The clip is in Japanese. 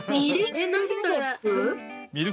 え何それ。